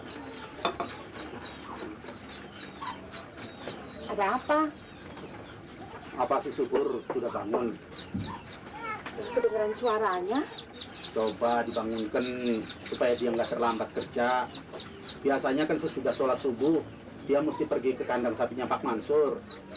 hai ada apa apa sih subur sudah bangun suaranya coba dibangunkan supaya dia enggak terlambat kerja biasanya kan sesudah sholat subuh dia mesti pergi ke kandang satunya pak mansur